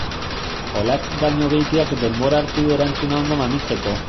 Olatz Dañobeitiak denbora hartu du erantzuna ondo mamitzeko.